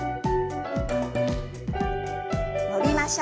伸びましょう。